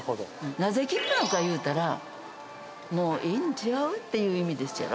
なぜ聞くのかいうたらもういいんちがう？っていう意味ですやろ？